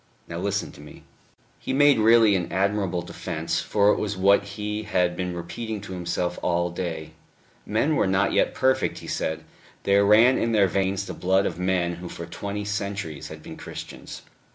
Now listen to me." He made really an admirable defence, for it was what he had been repeating to himself all day. Men were not yet perfect, he said; there ran in their veins the blood of men who for twenty centuries had been Christians....